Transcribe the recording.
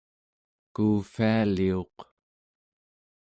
kuuvvialiuq